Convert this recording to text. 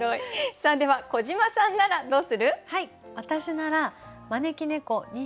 では小島さんならどうする？